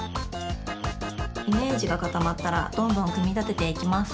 イメージがかたまったらどんどんくみたてていきます。